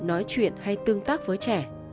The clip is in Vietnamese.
nói chuyện hay tương tác với trẻ